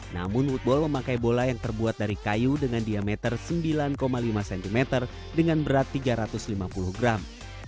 namun woodball memakai bola yang terbuat dari kayu dengan diameter sembilan lima cm dengan berat tiga ratus lima puluh gram